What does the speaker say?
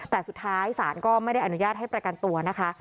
แต่สุดท้ายศาลก็ไม่ได้อนุญาตให้ประกันตัวนะคะ